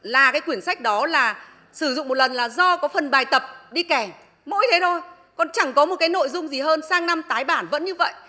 là cái quyển sách đó là sử dụng một lần là do có phần bài tập đi kẻ mỗi thế thôi còn chẳng có một cái nội dung gì hơn sang năm tái bản vẫn như vậy